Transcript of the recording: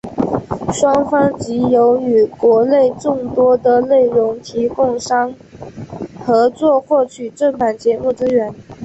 双方藉由与国内众多的内容提供商合作获取正版节目资源。